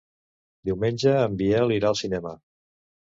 Diumenge en Biel irà al cinema.